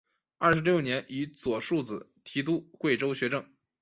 二十六年以左庶子提督贵州学政。